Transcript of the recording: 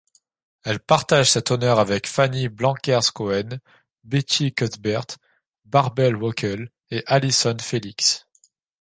Elle partage cet honneur avec Fanny Blankers-Koen, Betty Cuthbert, Bärbel Wöckel et Allyson Felix.